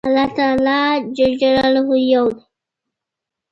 الله تعالی يو ده